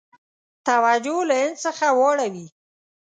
توجه له هند څخه واړوي.